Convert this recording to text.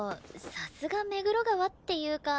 さすが目黒川っていうか。